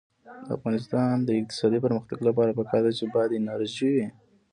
د افغانستان د اقتصادي پرمختګ لپاره پکار ده چې باد انرژي وي.